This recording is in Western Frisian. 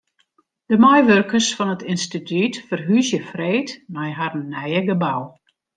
De meiwurkers fan it ynstitút ferhúzje freed nei harren nije gebou.